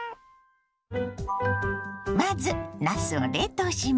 まずなすを冷凍します。